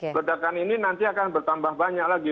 ledakan ini nanti akan bertambah banyak lagi